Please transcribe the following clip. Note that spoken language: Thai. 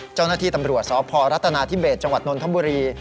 เจ้าหน้าที่ตำรวจสพรัฐนาธิเบสจังหวัดนนทบุรี